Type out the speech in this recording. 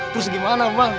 terus gimana bang